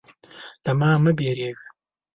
_له ما مه وېرېږه.